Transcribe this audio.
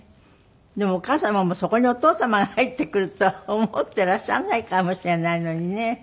でもお母様もそこにお父様が入ってくるとは思っていらっしゃらないかもしれないのにね。